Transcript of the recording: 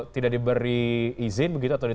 tidak diberi izin